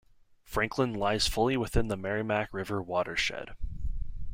Franklin lies fully within the Merrimack River watershed.